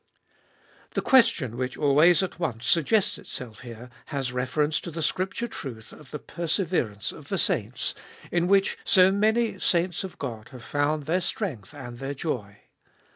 The question which always at once suggests itself here has reference to the Scripture truth of the perseverance of the saints, in which so many saints of God have found their strength and their joy.